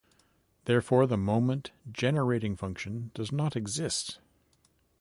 Therefore the moment generating function does not exist.